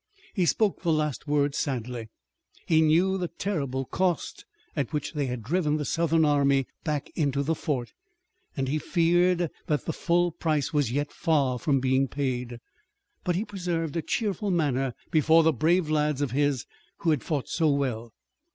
He spoke the last words sadly. He knew the terrible cost at which they had driven the Southern army back into the fort, and he feared that the full price was yet far from being paid. But he preserved a cheerful manner before the brave lads of his who had fought so well.